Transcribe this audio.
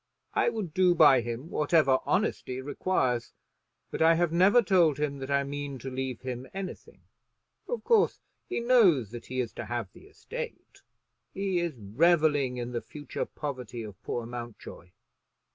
I would do by him whatever honesty requires; but I have never told him that I mean to leave him anything. Of course he knows that he is to have the estate. He is revelling in the future poverty of poor Mountjoy.